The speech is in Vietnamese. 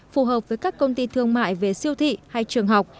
phù hợp với các công ty thương mại về siêu thị hay trường học